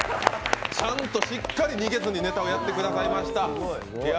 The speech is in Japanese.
ちゃんとしっかり逃げずにネタやってくださいました。